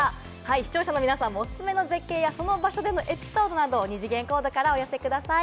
視聴者の皆さんもおすすめの絶景やその場所でのエピソードなどを二次元コードからお寄せください。